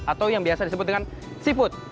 atau yang biasa disebut dengan seafood